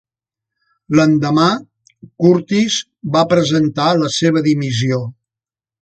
L'endemà, Curtis va presentar la seva dimissió.